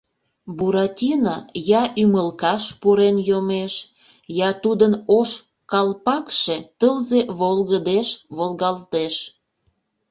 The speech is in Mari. Буратино я ӱмылкаш пурен йомеш, я тудын ош калпакше тылзе волгыдеш волгалтеш.